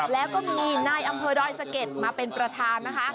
แล้วก็มีนายอำเภอดอยสะเก็ดมาเป็นประธานนะคะ